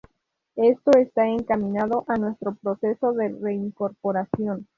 Esto está encaminado a nuestro proceso de reincorporación".